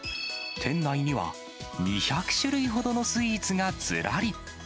店内には２００種類ほどのスイーツがずらり。